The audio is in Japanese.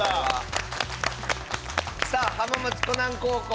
さあ浜松湖南高校